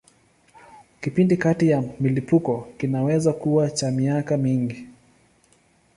Kipindi kati ya milipuko kinaweza kuwa cha miaka mingi.